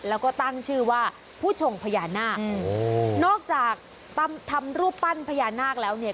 แล้วก็ตั้งชื่อว่าผู้ชงพญานาคโอ้โหนอกจากทำรูปปั้นพญานาคแล้วเนี่ย